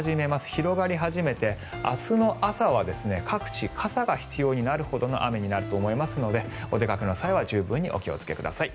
広がり始めて明日の朝は各地傘が必要になるほどの雨になると思いますのでお出かけの際は十分にお気をつけください。